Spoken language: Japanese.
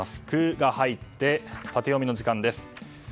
「ク」が入ってタテヨミの時間です。